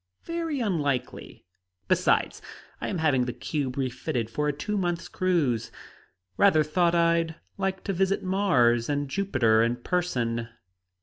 "Very unlikely. Besides, I am having the cube refitted for a two months' cruise. Rather thought I'd like to visit Mars and Jupiter in person.